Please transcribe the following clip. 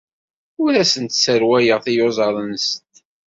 Ur asent-sserwaleɣ tiyuzaḍ-nsent.